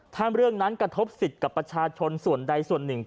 ถ้าเรื่องนั้นกระทบสิทธิ์กับประชาชนส่วนใดส่วนหนึ่ง